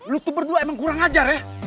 lo tuh berdua emang kurang ajar ya